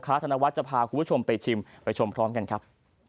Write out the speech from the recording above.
ธนวัฒน์จะพาคุณผู้ชมไปชิมไปชมพร้อมกันครับ